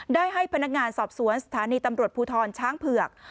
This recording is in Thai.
ได้ให้พนักงานสอบสวนสถานีตำรวจภูทรช้างเผือก